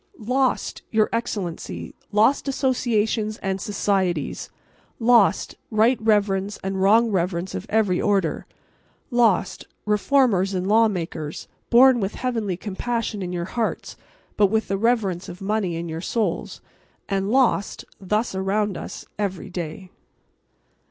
Lost, Your Excellency. Lost, Associations and Societies. Lost, Right Reverends and Wrong Reverends of every order. Lost, Reformers and Lawmakers, born with heavenly compassion in your hearts, but with the reverence of money in your souls. And lost thus around us every day.